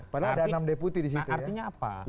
padahal ada enam deputi di situ ya